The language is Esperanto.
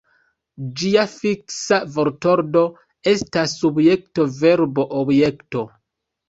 Ĝia fiksa vortordo estas subjekto-verbo-objekto.